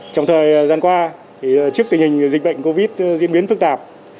trong thời gian qua trước tình hình dịch bệnh covid diễn biến phức tạp